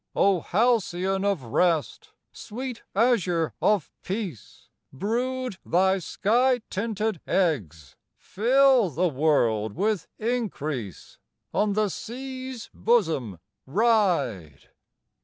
O halcyon of rest, Sweet azure of peace, Brood thy sky tinted eggs, Fill the world with increase On the sea's bosom ride!